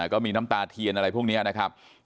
ก็มีน้ำตาเทียนอะไรพวกนี้นะครับ